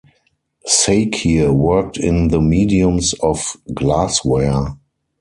Sakier worked in the mediums of glassware.